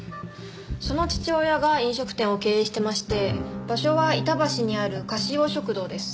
その父親が飲食店を経営してまして場所は板橋にあるかしを食堂です。